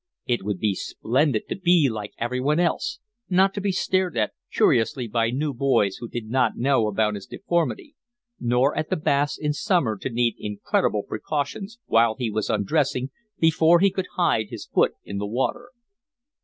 It would be splendid to be like everyone else, not to be stared at curiously by new boys who did not know about his deformity, nor at the baths in summer to need incredible precautions, while he was undressing, before he could hide his foot in the water.